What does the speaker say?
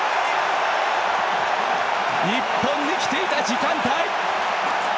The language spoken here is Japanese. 日本に来ていた時間帯！